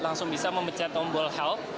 langsung bisa memecah tombol help